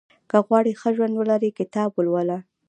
• که غواړې ښه ژوند ولرې، کتاب ولوله.